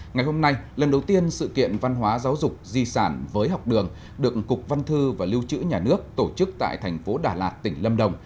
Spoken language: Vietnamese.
ngày hôm nay lần đầu tiên sự kiện văn hóa giáo dục di sản với học đường được cục văn thư và lưu trữ nhà nước tổ chức tại thành phố đà lạt tỉnh lâm đồng